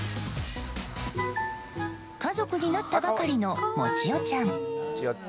家族になったばかりのモチ代ちゃん。